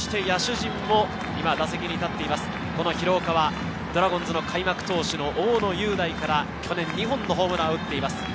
野手陣も打席に立っています廣岡は、ドラゴンズの開幕投手の大野雄大から去年２本のホームランを打っています。